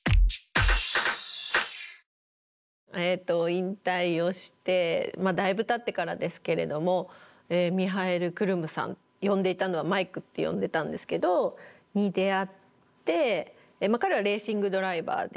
引退をしてまあだいぶたってからですけれどもミハエル・クルムさん呼んでいたのはマイクって呼んでたんですけど。に出会って彼はレーシングドライバーで。